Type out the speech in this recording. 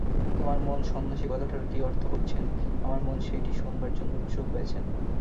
তোমার মন সন্ন্যাসী কথাটার কী অর্থ করছেন আমার মন সেইটি শোনবার জন্য উৎসুক হয়েছেন।